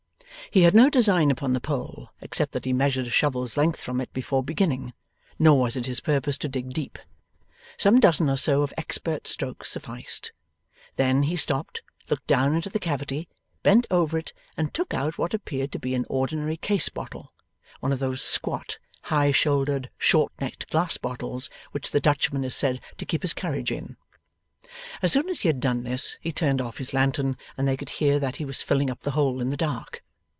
He had no design upon the pole, except that he measured a shovel's length from it before beginning, nor was it his purpose to dig deep. Some dozen or so of expert strokes sufficed. Then, he stopped, looked down into the cavity, bent over it, and took out what appeared to be an ordinary case bottle: one of those squat, high shouldered, short necked glass bottles which the Dutchman is said to keep his Courage in. As soon as he had done this, he turned off his lantern, and they could hear that he was filling up the hole in the dark.